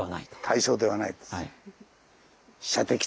対象ではないです。